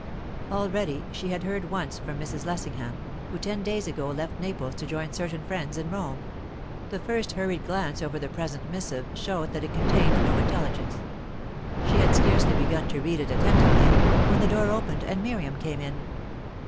Already she had heard once from Mrs. Lessingham, who ten days ago left Naples to join certain friends in Rome; the first hurried glance over the present missive showed that it contained no intelligence. She had scarcely begun to read it attentively, when the door opened and Miriam came in.